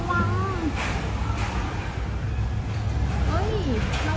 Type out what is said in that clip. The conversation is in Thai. เมื่อตายฟังแรงละเวียง